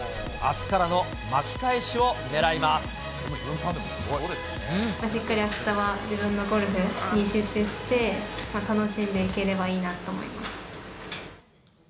しっかりあしたは自分のゴルフに集中して、楽しんでいければいいなと思います。